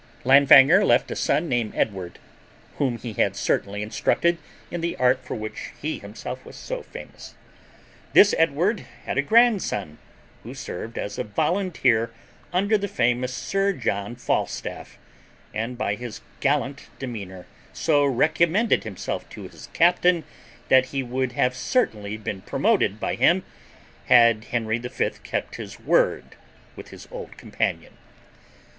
Langfanger left a son named Edward, whom he had carefully instructed in the art for which he himself was so famous. This Edward had a grandson, who served as a volunteer under the famous Sir John Falstaff, and by his gallant demeanour so recommended himself to his captain, that he would have certainly been promoted by him, had Harry the fifth kept his word with his old companion.